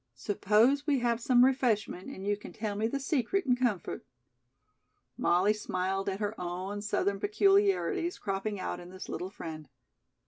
Suppose we have some refreshment and you can tell me the secret in comfort." Molly smiled at her own Southern peculiarities cropping out in this little friend.